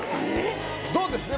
「ど」ですね